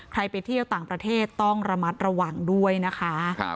ไปเที่ยวต่างประเทศต้องระมัดระวังด้วยนะคะ